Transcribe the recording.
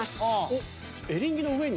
おっエリンギの上に？